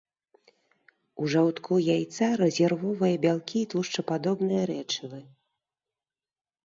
У жаўтку яйца рэзервовыя бялкі і тлушчападобныя рэчывы.